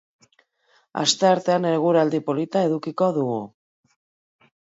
Asteartean eguraldi polita edukiko dugu.